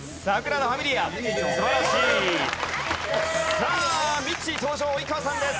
さあミッチー登場及川さんです。